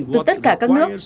từ tất cả các nước